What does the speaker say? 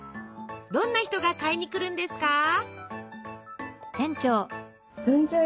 どんな人が買いに来るんですか？